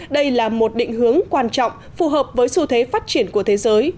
đây là một định hướng quan trọng phù hợp với xu thế phát triển của thế giới